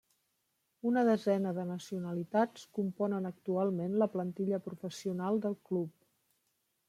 Una desena de nacionalitats componen actualment la plantilla professional del club.